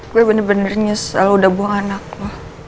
gue bener bener nyesel udah buang anakmu